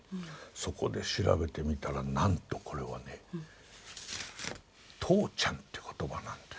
そこで調べてみたらなんとこれはね「とうちゃん」っていう言葉なんですよ。